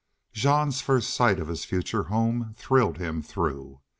Jean's first sight of his future home thrilled him through.